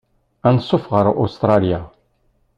Anṣuf ɣer Ustṛalya.